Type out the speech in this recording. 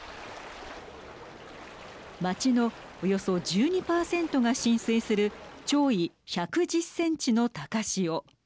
町のおよそ１２％が浸水する潮位１１０センチの高潮。